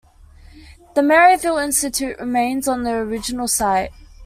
The Maryvale Institute remains on the original site.